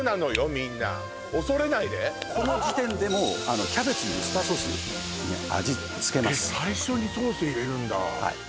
みんな恐れないでこの時点でもうキャベツにウスターソース味付けます最初にソース入れるんだはい